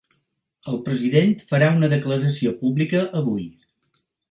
El president farà una declaració pública avui.